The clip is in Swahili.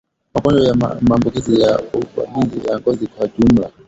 Magonjwa ya maambukizi na uvamizi ya ngozi kwa jumla